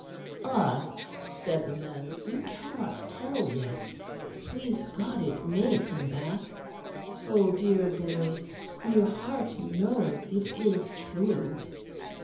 ah!" said the nun, "you cannot tell yet. Please God it may come back. Oh! dear boy, in your heart you know it is true."